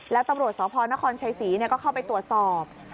แล้วตำรวจสพนครชัยศรีก็เข้าไปตรวจสอบ